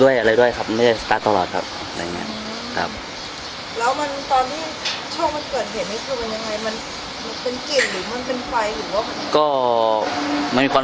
และอันดับสุดท้ายประเทศอเมริกา